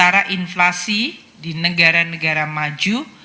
antara inflasi di negara negara maju